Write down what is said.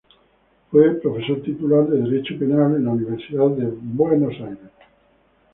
Fue profesor titular de derecho penal en la Universidad de Buenos Aires.